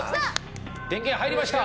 電源入りました！